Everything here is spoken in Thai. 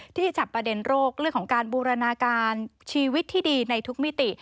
ที่จับประเด็นโรคเรื่องของการบูรณาการชีวิตที่ดีในทุกมิติ